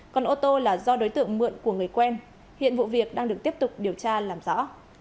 còn ô tô là do đối tượng mượn của người quen hiện vụ việc đang được tiếp tục điều tra làm rõ